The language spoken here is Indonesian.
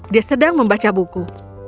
dia sedang membaca buku